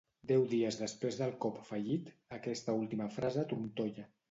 Deu dies després del cop fallit, aquesta última frase trontolla.